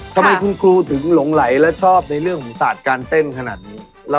ทำไมคุณครูถึงหลงไหลและชอบในเรื่องของศาสตร์การเต้นขนาดนี้